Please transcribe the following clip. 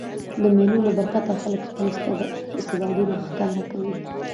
د مېلو له برکته خلک خپل استعدادونه ښکاره کوي.